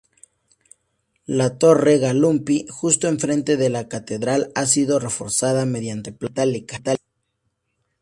La torre "Galuppi", justo enfrente de la catedral, ha sido reforzada mediante planchas metálicas.